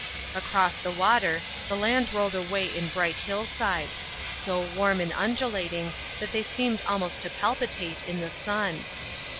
Across the water, the land rolled away in bright hillsides, so warm and undulating, that they seemed almost to palpitate in the sun'.